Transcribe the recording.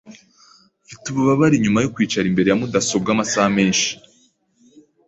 Mfite ububabare inyuma yo kwicara imbere ya mudasobwa amasaha menshi.